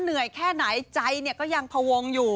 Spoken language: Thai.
เหนื่อยแค่ไหนใจก็ยังพวงอยู่